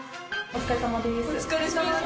お疲れさまです。